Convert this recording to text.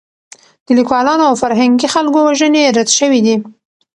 د لیکوالانو او فرهنګي خلکو وژنې رد شوې دي.